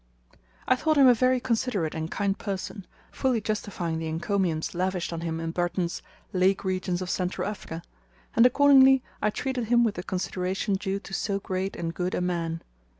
I thought him a very considerate and kind person, fully justifying the encomiums lavished on him in Burton's 'Lake Regions of Central Africa,' and accordingly I treated him with the consideration due to so great and good a man.